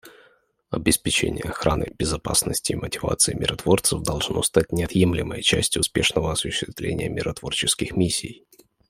Обеспечение охраны, безопасности и мотивации миротворцев должно стать неотъемлемой частью успешного осуществления миротворческих миссий.